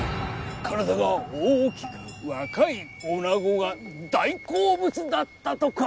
体が大きく若いおなごが大好物だったとか。